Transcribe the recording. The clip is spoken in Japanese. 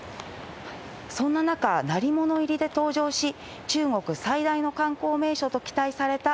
そんな中、鳴り物入りで登場し、中国最大の観光名所と期待された、